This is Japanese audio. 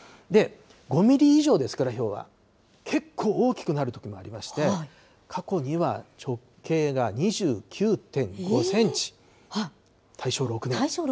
５ミリ以上ですから、ひょうは、けっこう大きくなるときもありまして、過去には直径が２９．５センチ、大正６年。